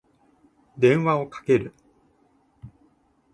電話をかける。